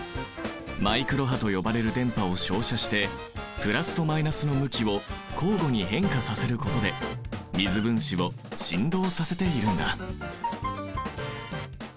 マイクロ波と呼ばれる電波を照射してプラスとマイナスの向きを交互に変化させることで水分子を振動させているんだ。